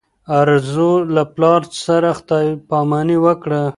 ارزو له پلار سره خدای په اماني وکړه.